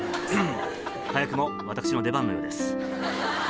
早くも私の出番のようです。